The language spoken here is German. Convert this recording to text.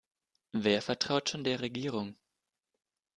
Wer vertraut schon der Regierung?